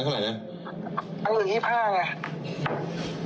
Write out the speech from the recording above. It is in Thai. หลังอย่างนึง๒๕เอ่ย